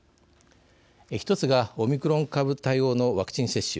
１つが、オミクロン株対応のワクチン接種。